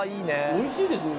おいしいですね。